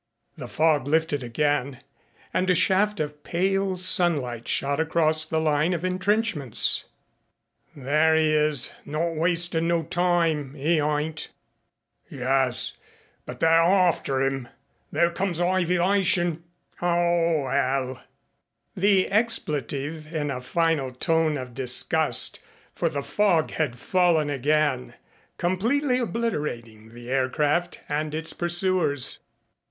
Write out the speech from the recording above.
The fog lifted again and a shaft of pale sunlight shot across the line of entrenchments. "There 'e is, not wastin' no time 'e ayn't." "Yus. But they're arfter 'im. There comes hyviashun. O 'ell!" The expletive in a final tone of disgust for the fog had fallen again, completely obliterating the air craft and its pursuers.